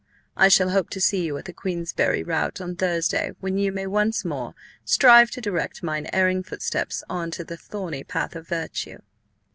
I shall hope to see You at the Queensberry Rout on Thursday when You may Once More strive to direct mine Erring Footsteps on to the Thorny Path of Virtue."